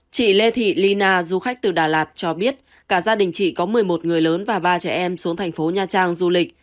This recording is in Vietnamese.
chị lê thị lina du khách từ đà lạt cho biết cả gia đình chị có một mươi một người lớn và ba trẻ em xuống thành phố nha trang du lịch